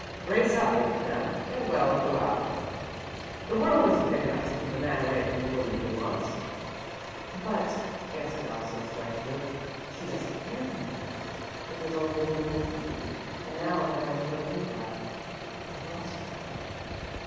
"Brace up, old man. Get well and go after her. The world isn't big enough to keep a man away from the woman he wants." "But," answered Allison, dejectedly, "she doesn't care for me. It was only womanly pity, and now that I don't need that, I've lost her."